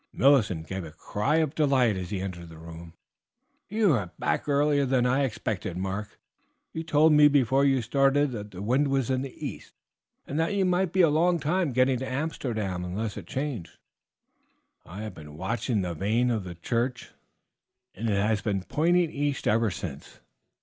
Millicent gave a cry of delight as he entered the room. "You are back earlier than I expected, Mark. You told me before you started that the wind was in the east, and that you might be a long time getting to Amsterdam unless it changed. I have been watching the vane on the church, and it has been pointing east ever since.